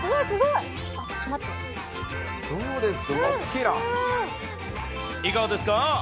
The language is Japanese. いかがですか？